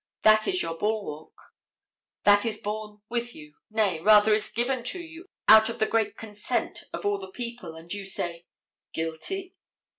That is your bulwark; that is born with you, nay, rather is given to you out of the great consent of all the people, and you say "guilty?"